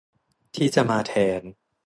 ที่จะมาแทน